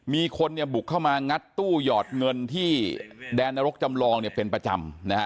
มีคนบุกเข้ามางัดตู้หยอดเงินที่แดนนรกจำลองเป็นประจำนะฮะ